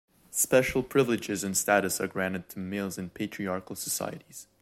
Special privileges and status are granted to males in patriarchal societies.